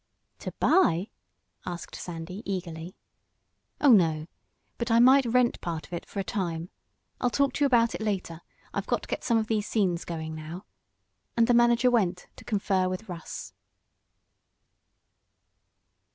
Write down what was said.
"To buy?" asked Sandy, eagerly. "Oh, no. But I might rent part of it for a time. I'll talk to you about it later. I've got to get some of these scenes going now," and the manager went to confer with Russ.